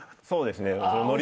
そうですね。